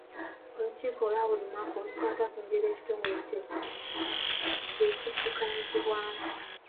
Olukiiko olwa buli mwaka olukwata ku ngeri ekitongole gye kiddukanyizibwa.